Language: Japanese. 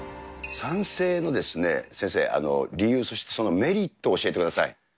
賛成の先生、理由、そしてそのメリットを教えてください。